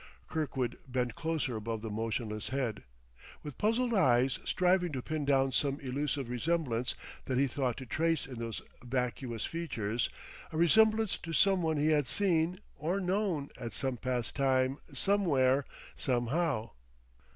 Kirkwood bent closer above the motionless head, with puzzled eyes striving to pin down some elusive resemblance that he thought to trace in those vacuous features a resemblance to some one he had seen, or known, at some past time, somewhere, somehow.